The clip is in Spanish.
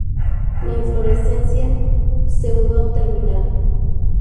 La inflorescencia pseudo-terminal.